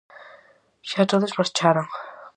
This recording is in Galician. Xa todos marcharan.